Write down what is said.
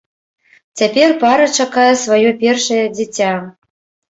Цяпер пара чакае сваё першае дзіця.